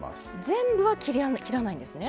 全部は切らないんですね。